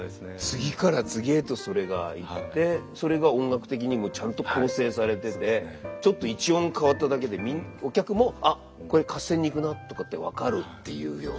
次から次へとそれがいってそれが音楽的にもちゃんと構成されててちょっと一音変わっただけでお客も「あっこれ合戦に行くな」とかって分かるっていうような。